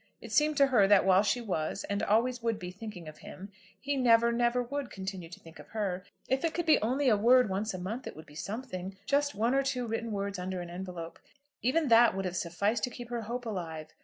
It seemed to her that while she was, and always would be, thinking of him, he never, never would continue to think of her. If it could be only a word once a month it would be something, just one or two written words under an envelope, even that would have sufficed to keep her hope alive!